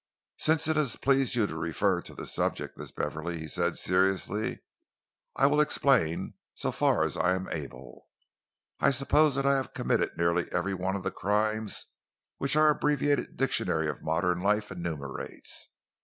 "Since it has pleased you to refer to the subject, Miss Beverley," he said seriously, "I will explain so far as I am able. I suppose that I have committed nearly every one of the crimes which our abbreviated dictionary of modern life enumerates.